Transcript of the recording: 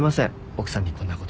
奥さんにこんな事。